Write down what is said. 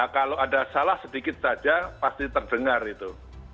kalau ada salah sedikit saja pasti terdengar itu